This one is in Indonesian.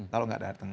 kalau nggak datang